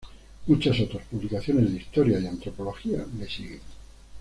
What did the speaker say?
Muchas otras publicaciones de historia y antropología le siguen.